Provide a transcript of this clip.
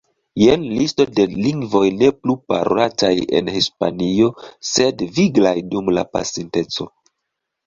Jen listo de lingvoj ne plu parolataj en Hispanio, sed viglaj dum la pasinteco.